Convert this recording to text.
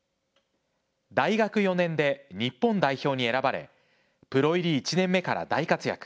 大学４年で日本代表に選ばれプロ入り１年目から大活躍。